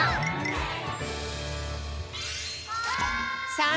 さあ